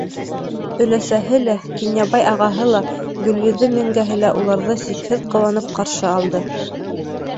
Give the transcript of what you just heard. Өләсәһе лә, Кинйәбай ағаһы ла, Гөлйөҙөм еңгәһе лә уларҙы сикһеҙ ҡыуанып ҡаршы алды.